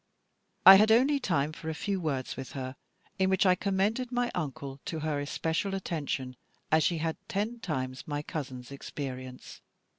I had only time for a few words with her, in which I commended my Uncle to her especial attention, as she had ten times my cousin's experience.